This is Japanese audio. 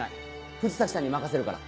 藤崎さんに任せるから。